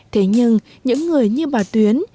thế nhưng những người như bà tuyến